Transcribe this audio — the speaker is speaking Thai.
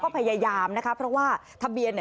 พยายามนะคะเพราะว่าทะเบียน